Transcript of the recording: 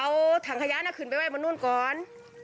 เอาถังขยะน่ะขึ้นไปไห้บนนู้นก่อน